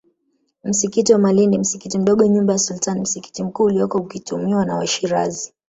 Msikiti wa Malindi msikiti mdogo nyumba ya Sultani msikiti mkuu uliokuwa ukitumiwa na Washirazi